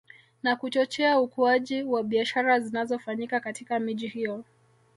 Na kuchochea ukuaji wa biashara zinazofanyika katika miji hiyo